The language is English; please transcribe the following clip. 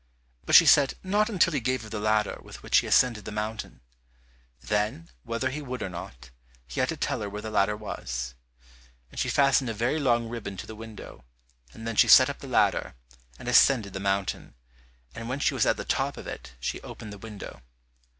But she said not until he gave her the ladder with which he ascended the mountain. Then, whether he would or not, he had to tell her where the ladder was. And she fastened a very long ribbon to the window, and then she set up the ladder, and ascended the mountain, and when she was at the top of it she opened the window.